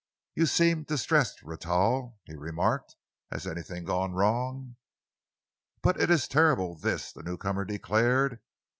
"You seem distressed, Rentoul," he remarked. "Has anything gone wrong?" "But it is terrible, this!" the newcomer declared.